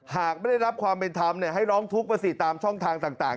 หากไม่ได้รับความเป็นธรรมให้ร้องทุกข์มาสิตามช่องทางต่าง